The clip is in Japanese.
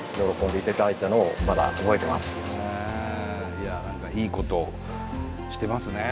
いや何かいいことをしてますね。